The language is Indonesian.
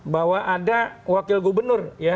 bahwa ada wakil gubernur